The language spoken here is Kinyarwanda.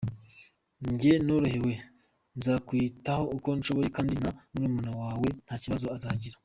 Njye norohewe nzakwitaho uko nshoboye kandi na murumuna wawe nta kibazo azagira.